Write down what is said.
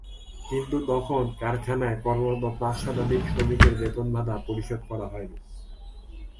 কিন্তু তখন কারখানায় কর্মরত পাঁচ শতাধিক শ্রমিকের বেতন-ভাতা পরিশোধ করা হয়নি।